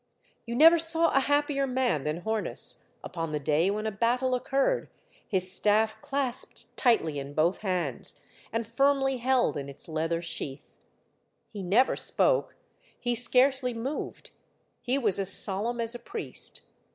You never saw a happier man than Hornus upon the day when a battle occurred, his staff clasped tightly in both hands, and firmly held in its leather sheath. He never spoke, he scarcely moved. He was as solemn as a priest.